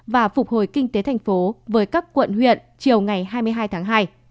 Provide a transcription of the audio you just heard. và phục hồi kinh tế tp hcm với các quận huyện chiều ngày hai mươi hai tháng hai